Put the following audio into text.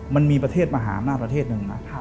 มันมีประเทศมหาอำนาจประเทศหนึ่งนะ